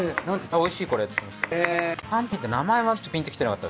おいしいこれって言ってました。